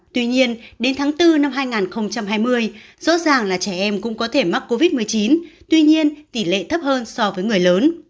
tuy nhiên đến tháng bốn năm hai nghìn hai mươi rõ ràng là trẻ em cũng có thể mắc covid một mươi chín tuy nhiên tỷ lệ thấp hơn so với người lớn